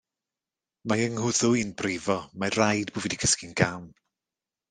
Mae 'y ngwddw i'n brifo, mae raid bo' fi 'di cysgu'n gam.